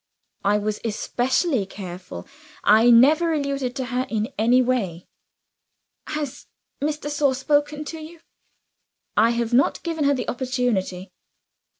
"I was especially careful; I never alluded to her in any way." "Has Miss de Sor spoken to you?" "I have not given her the opportunity."